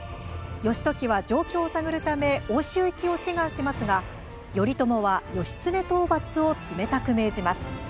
義時は状況を探るため奥州行きを志願しますが頼朝は義経討伐を冷たく命じます。